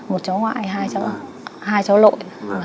một cháu ngoại hai cháu lội